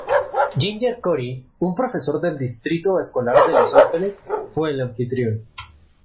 Ginger Cory, un profesor del distrito escolar de Los Ángeles, fue el anfitrión.